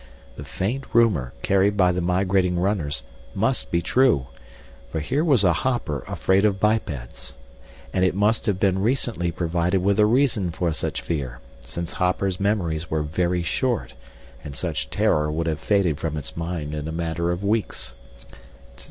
The faint rumor carried by the migrating runners must be true, for here was a hopper afraid of bipeds. And it must have been recently provided with a reason for such fear, since hoppers' memories were very short and such terror would have faded from its mind in a matter of weeks.